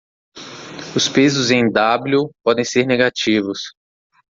Os pesos em W podem ser negativos.